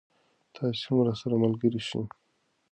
تاسې هم راسره ملګری شئ.